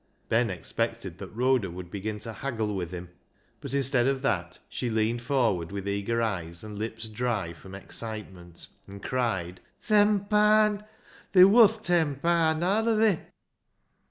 " Ben expected that Rhoda would begin to " haggle " with him, but instead of that she leaned forward with eager eyes and lips dry from excitement, and cried, " Ten paand. They're woth ten paand, arna they?"